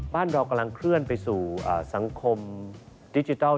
บ้านเรากำลังเคลื่อนไปสู่สังคมดิจิทัล